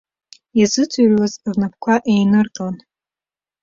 Изыӡырҩуаз рнапқәа еинырҟьон.